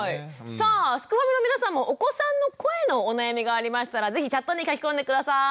さあすくファミの皆さんもお子さんの声のお悩みがありましたら是非チャットに書き込んで下さい。